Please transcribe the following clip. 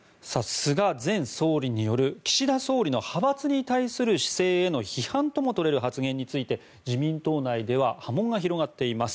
菅前総理による岸田総理の派閥に対する姿勢への批判とも取れる発言について自民党内では波紋が広がっています。